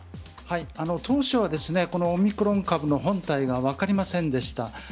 当初はオミクロン株の本体が分かりませんでした。